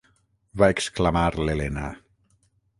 Va exclamar l'Elena.